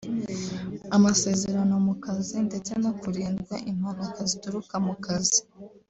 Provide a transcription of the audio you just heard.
amasezerano mu kazi ndetse no kurindwa impanuka zituruka mu kazi